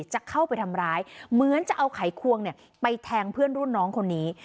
จะเข้าไปทำร้ายเหมือนจะเอาไขควงไปแทงเพื่อนรุ่นน้องคนนี้